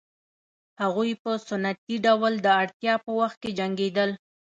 هغوی په سنتي ډول د اړتیا په وخت کې جنګېدل